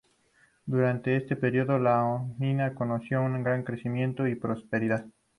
Durante este periodo, Ioánina conoció un gran crecimiento y prosperidad.